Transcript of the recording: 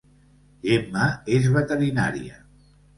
Gemma és veterinària